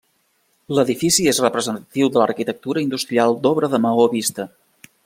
L'edifici és representatiu de l'arquitectura industrial d'obra de maó vist.